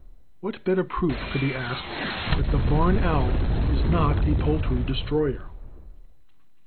What better proof could be asked that THE BARN OWL IS NOT A POULTRY DESTROYER?